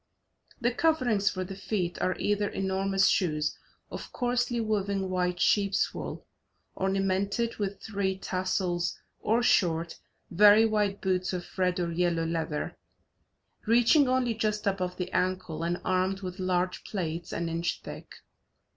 The coverings for the feet are either enormous shoes of coarsely woven white sheeps' wool, ornamented with three tassels, or short, very wide boots of red or yellow leather, reaching only just above the ankle and armed with large plates an inch thick.